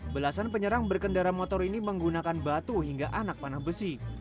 belasan penyerang berkendara motor ini menggunakan batu hingga anak panah besi